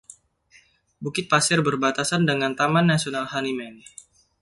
Bukit pasir berbatasan dengan Taman Nasional Honeyman.